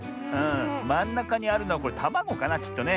まんなかにあるのはたまごかなきっとね。